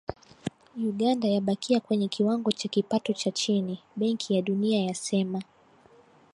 Uganda yabakia kwenye kiwango cha kipato cha chini, Benki ya Dunia yasema.